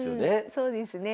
そうですね。